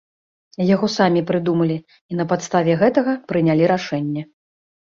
Яго самі прыдумалі і на падставе гэтага прынялі рашэнне.